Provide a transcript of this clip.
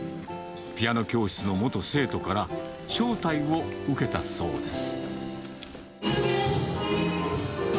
ピアノ教室の元生徒から招待を受けたそうです。